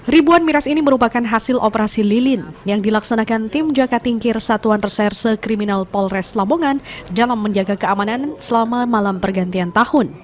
ribuan miras ini merupakan hasil operasi lilin yang dilaksanakan tim jaka tingkir satuan reserse kriminal polres lamongan dalam menjaga keamanan selama malam pergantian tahun